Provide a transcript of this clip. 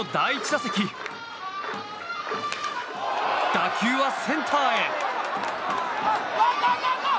打球はセンターへ。